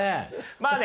まあね